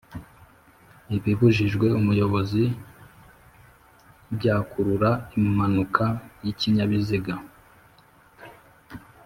Ibibujijwe umuyobozi byakurura impanuka y’Ikinyabiziga